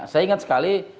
saya ingat sekali